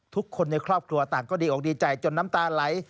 ทุกคนในครอบครัวต่างก็ดีอกดีใจจนน้ำตาไหล